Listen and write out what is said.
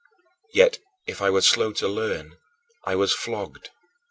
Yet if I was slow to learn, I was flogged.